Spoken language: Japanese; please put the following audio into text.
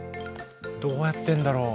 どうやってんだろう？